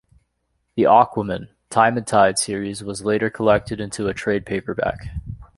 The "Aquaman:Time and Tide" series was later collected into a trade paperback.